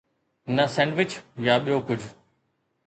نه سينڊوچ يا ٻيو ڪجهه.